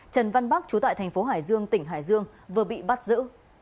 trần văn bắc trú tại thành phố hải dương tỉnh hải dương vừa bị bắt giữ